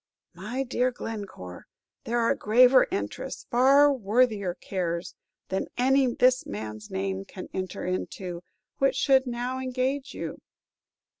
"My dear Glencore, there are graver interests, far worthier cares, than any this man's name can enter into, which should now engage you."